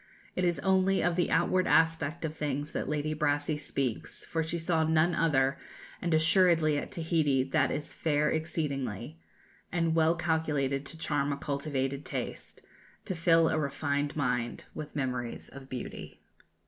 It is only of the outward aspect of things that Lady Brassey speaks, for she saw none other, and assuredly at Tahiti that is fair exceedingly, and well calculated to charm a cultivated taste, to fill a refined mind with memories of beauty.